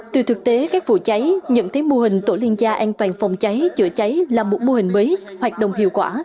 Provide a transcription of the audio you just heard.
từ thực tế các vụ cháy nhận thấy mô hình tổ liên gia an toàn phòng cháy chữa cháy là một mô hình mới hoạt động hiệu quả